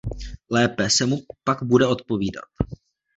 Lépe se mu pak bude odpovídat.